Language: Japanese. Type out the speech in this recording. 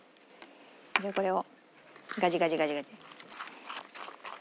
でこれをガジガジガジガジ。